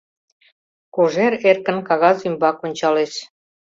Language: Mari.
Кожер эркын кагаз ӱмбак ончалеш.